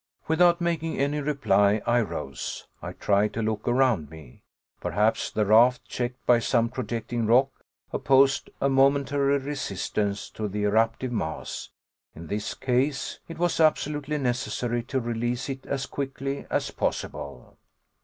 Without making any reply, I rose. I tried to look around me. Perhaps the raft, checked by some projecting rock, opposed a momentary resistance to the eruptive mass. In this case, it was absolutely necessary to release it as quickly as possible.